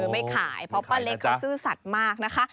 ไม่ขายเพราะป้าเล็กเขาซื่อสัตว์มากนะคะ